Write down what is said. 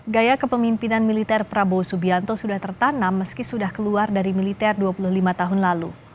gaya kepemimpinan militer prabowo subianto sudah tertanam meski sudah keluar dari militer dua puluh lima tahun lalu